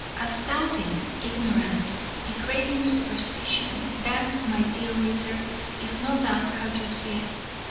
Astounding ignorance! Degrading superstition! That, my dear reader, is no doubt how you see it.